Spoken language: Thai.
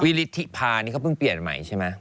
ฤทธิพานี่เขาเพิ่งเปลี่ยนใหม่ใช่ไหม